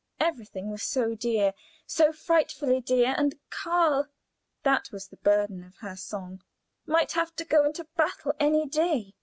Everything was so dear, so frightfully dear, and Karl that was the burden of her song might have to go into battle any day.